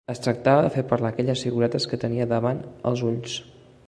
Es tractava de fer parlar aquelles figuretes que tenia davant els ulls.